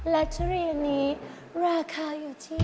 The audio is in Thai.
และทุเรียนนี้ราคาอยู่ที่